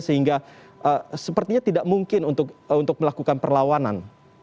sehingga sepertinya tidak mungkin untuk melakukan perlawanan